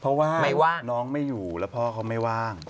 เพราะว่าน้องไม่อยู่แล้วพ่อเขาไม่ว่าง